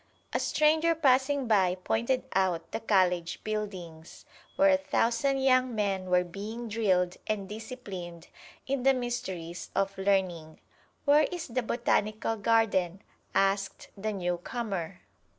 A stranger passing by pointed out the college buildings, where a thousand young men were being drilled and disciplined in the mysteries of learning. "Where is the Botanical Garden?" asked the newcomer.